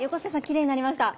きれいになりました。